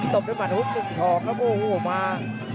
ตบด้วยหมันอุ๊บหนึ่งทองครับโอ้โหมา